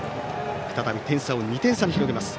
再び点差を２点差に広げます。